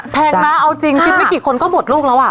แพงนะเอาจริงคิดไม่กี่คนก็หมดลูกแล้วอ่ะ